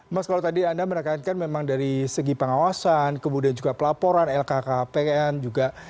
mas kalau tadi anda menekankan memang dari segi pengawasan kemudian juga pelaporan lhkpn juga